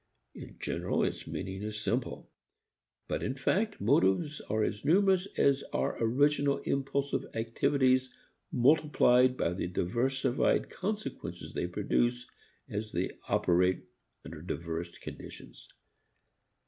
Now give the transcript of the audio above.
In general its meaning is simple. But in fact motives are as numerous as are original impulsive activities multiplied by the diversified consequences they produce as they operate under diverse conditions.